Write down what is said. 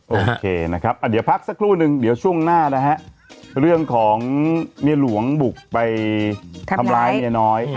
โอเคนะครับเดี๋ยวพักสักครู่นึงเดี๋ยวช่วงหน้านะฮะเรื่องของเมียหลวงบุกไปทำร้ายเมียน้อย